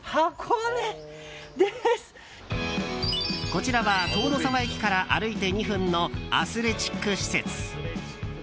こちらは塔ノ沢駅から歩いて２分のアスレチック施設。